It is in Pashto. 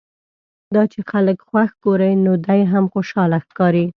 دا چې خلک خوښ ګوري نو دی هم خوشاله ښکاري.